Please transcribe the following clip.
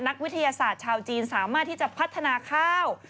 นักวิทยาศาสตร์ชาวจีนสามารถที่จะพัฒนาข้าว